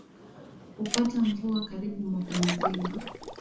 Hupata mvua karibu mwaka mzima.